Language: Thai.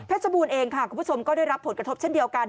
บูรณ์เองค่ะคุณผู้ชมก็ได้รับผลกระทบเช่นเดียวกัน